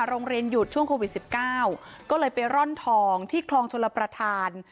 หยุดช่วงโควิด๑๙ก็เลยไปร่อนทองที่คลองชลประธาน